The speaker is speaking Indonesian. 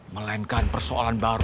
melainkan persoalan baru